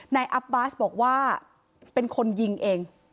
อัพบาสบอกว่าเป็นคนยิงเอง